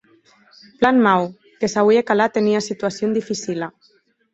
Plan mau; que s’auie calat en ua situacion dificila.